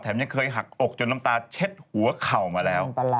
ยังเคยหักอกจนน้ำตาเช็ดหัวเข่ามาแล้ว